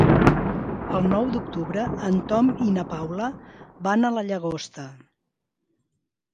El nou d'octubre en Tom i na Paula van a la Llagosta.